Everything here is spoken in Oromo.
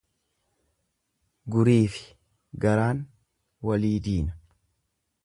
Guriifi garaan walii diina.